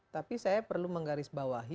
tapi saya perlu menggaris bawahi